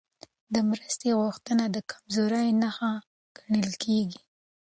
د مرستې غوښتنه د کمزورۍ نښه ګڼل کېږي.